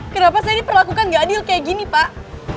kenapa saya diperlakukan gak adil kayak gini pak